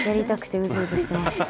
うずうずしてました？